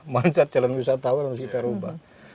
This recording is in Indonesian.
mindset calon wisatawan harus kita rubah